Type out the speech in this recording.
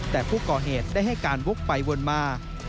แต่ผู้ก่อเหตุได้ให้การวกไปวนมา